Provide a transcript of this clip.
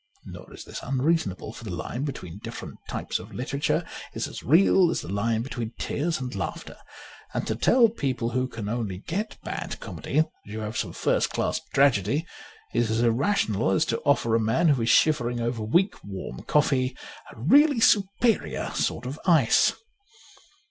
Nor is this unreasonable ; for the line between different types of literature is as real as the line between tears and laughter ; and to tell people who can only get bad comedy that you have some first class tragedy is as irrational as to offer a man who is shivering over weak, warm coffee a really superior sort of ice.